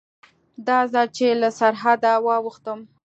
دا ځل چې له سرحده واوښتم.